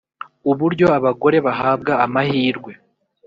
uburyo abagore bahabwa amahirwe